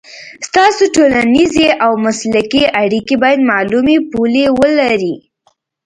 ستاسو ټولنیزې او مسلکي اړیکې باید معلومې پولې ولري.